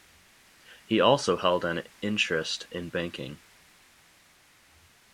He also held an interest in banking.